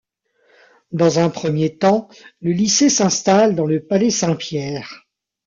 Dans un premier temps, le lycée s'installe dans le palais Saint-Pierre.